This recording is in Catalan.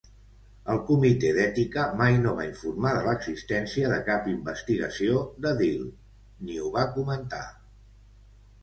El comitè d'ètica mai no va informar de l'existència de cap investigació de Deal ni ho va comentar.